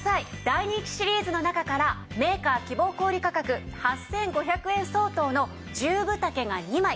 大人気シリーズの中からメーカー希望小売価格８５００円相当の１０分丈が２枚。